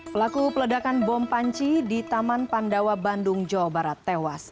pelaku peledakan bom panci di taman pandawa bandung jawa barat tewas